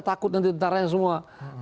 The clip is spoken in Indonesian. takut nanti tentara yang semua